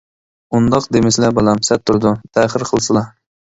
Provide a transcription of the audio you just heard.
-ئۇنداق دېمىسىلە بالام، سەت تۇرىدۇ، تەخىر قىلسىلا.